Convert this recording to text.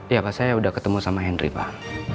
ya pak saya udah ketemu sama henry pak